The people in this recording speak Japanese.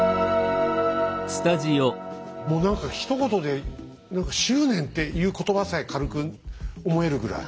もう何かひと言で執念っていう言葉さえ軽く思えるぐらい。